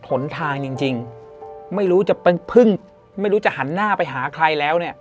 หนทางจริงไม่รู้จะเพิ่งไม่รู้จะหันหน้าไปหาใครแล้วเนี่ย